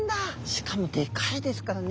しかもでかいですからね